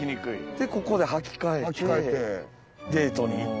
でここで履き替えてデートに行った。